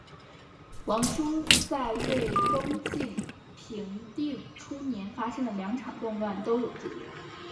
王舒在为东晋平定初年发生的两场动乱都有助力。